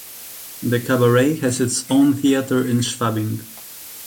The kabarett had its own theatre in Schwabing.